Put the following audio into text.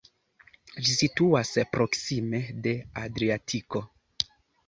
Ĝi situas proksime de Adriatiko.